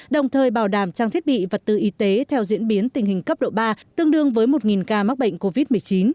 đồng thời bảo đảm trang thiết bị vật tư y tế theo diễn biến tình hình cấp độ ba tương đương với một ca mắc bệnh covid một mươi chín